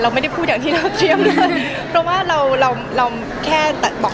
เราอย่าทิ้งคำตอบ